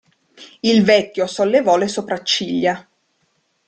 Il vecchio sollevò le sopracciglia.